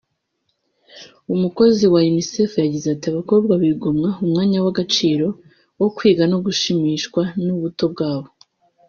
umukozi wa Unicef yagize ati “Abakobwa bigomwa umwanya w’agaciro wo kwiga no gushimishwa n’ubuto bwabo